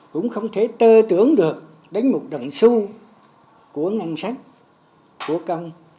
cũng không thể tơ tưởng được đến một đồng xu của ngân sách của công